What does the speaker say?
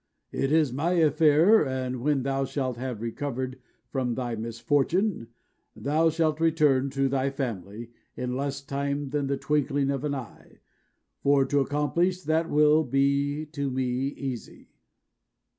It is my affair; and when thou shalt have recovered from thy misfortune, thou shalt return to thy family in less time than the twinkling of an eye, for to accomplish that will be to me easy."